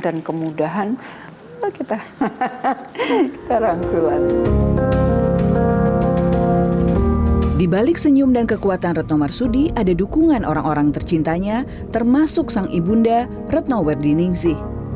di balik senyum dan kekuatan retno marsudi ada dukungan orang orang tercintanya termasuk sang ibunda retno werdiningsi